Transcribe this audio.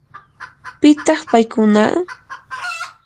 ¿pitaq paykuna?